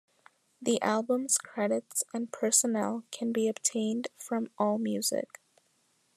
The album's credits and personnel can be obtained from AllMusic.